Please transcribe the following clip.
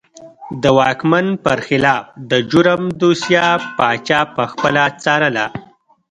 د واکمن پر خلاف د جرم دوسیه پاچا پخپله څارله.